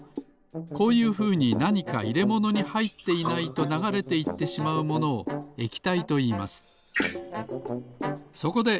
こういうふうになにかいれものにはいっていないとながれていってしまうものを液体といいます。